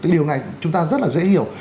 điều này chúng ta rất là dễ hiểu